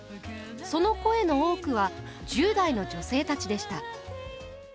その声の多くは１０代の女性たちでした。